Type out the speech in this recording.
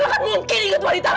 itu bukan mungkin ingat wanita lain